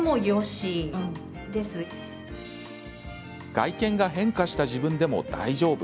外見が変化した自分でも大丈夫。